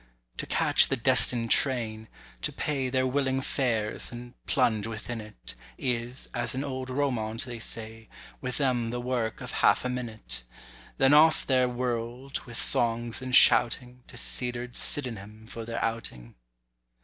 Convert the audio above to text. To catch the destin'd train—to pay Their willing fares, and plunge within it— Is, as in old Romaunt they say, With them the work of half a minute. Then off they're whirl'd, with songs and shouting, To cedared Sydenham for their outing.